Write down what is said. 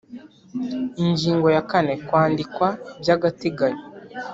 Ingingo ya kane Kwandikwa by agateganyo